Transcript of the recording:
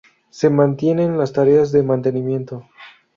Se mantienen las tareas de mantenimiento.